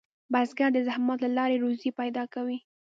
بزګر د زحمت له لارې روزي پیدا کوي